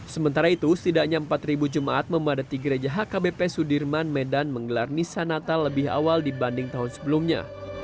sementara itu setidaknya empat jemaat memadati gereja hkbp sudirman medan menggelar nisa natal lebih awal dibanding tahun sebelumnya